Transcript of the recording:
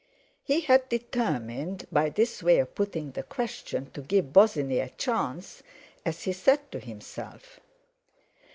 He had determined, by this way of putting the question, to give Bosinney a chance, as he said to himself.